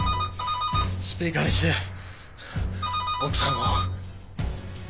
スピーカーにして奥さんを。